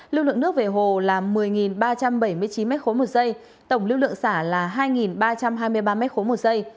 lưu lượng nước về hồ là một mươi ba trăm bảy mươi chín m một s tổng lưu lượng xả là hai ba trăm hai mươi ba m một s